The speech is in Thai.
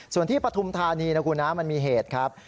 ส่วนที่ปฐุมธานีนะคุณนะมันมีเหตุครับ